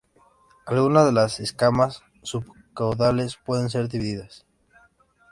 Algunas de las escamas subcaudales pueden ser divididas.